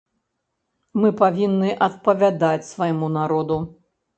Мы павінны адпавядаць свайму народу.